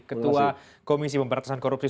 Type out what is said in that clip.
ketua komisi pemberantasan korupsi